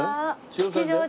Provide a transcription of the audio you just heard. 吉祥寺！